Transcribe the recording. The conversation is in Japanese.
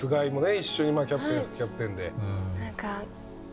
一緒にキャプテン副キャプテンで。